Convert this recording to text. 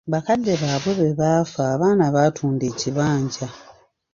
Bakadde baabwe bwe baafa abaana baatunda ekibanja.